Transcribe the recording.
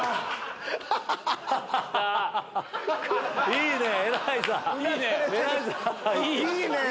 いいね！